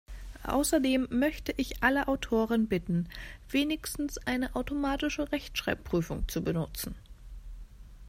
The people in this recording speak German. Außerdem möchte ich alle Autoren bitten, wenigstens eine automatische Rechtschreibprüfung zu benutzen.